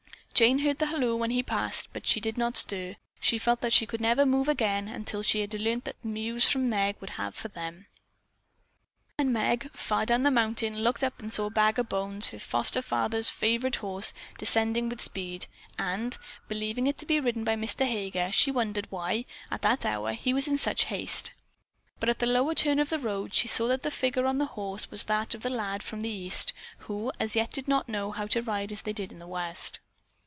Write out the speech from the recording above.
Jane heard the halloo when he passed, but she did not stir. She felt that she never could move again until she had learned the news that Meg would have for them. And Meg, far down the mountain, looked up and saw Bag o' Bones, her foster father's favorite horse, descending with speed, and, believing it to be ridden by Mr. Heger, she wondered why, at that hour, he was in such haste. But at a lower turn of the road, she saw that the figure on the horse was that of the lad from the East, who as yet did not know how to ride as they did in the West.